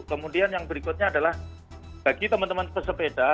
kemudian yang berikutnya adalah bagi teman teman pesepeda